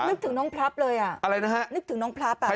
นึกถึงน้องพลับเลยอ่ะอะไรนะฮะนึกถึงน้องพลับอ่ะ